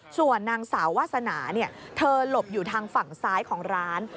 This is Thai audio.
ส่วนนางสาววาสนาเธอหลบอยู่ทางฝั่งซ้ายของร้าน